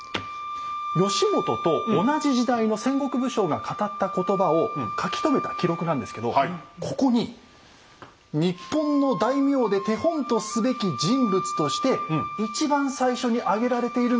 義元と同じ時代の戦国武将が語った言葉を書き留めた記録なんですけどここに「日本の大名で手本とすべき人物」として一番最初に挙げられているのが。